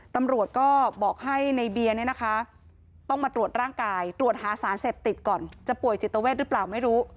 ตำรวจก็บอกให้ในเบียร์เนี่ยนะคะต้องมาตรวจร่างกายตรวจหาสารเสพติดก่อนจะป่วยจิตเวทหรือเปล่าไม่รู้